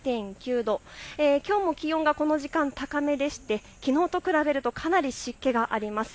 きょうも気温がこの時間、高めでして、きのうと比べるとかなり湿気があります。